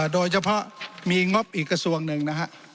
โดยเฉพาะมีงบอีกกระทรวงหนึ่งนะฮะ